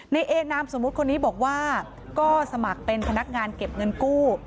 ในเอนามสมมุติคนนี้บอกว่าก็สมัครเป็นพนักงานเก็บเงินกู้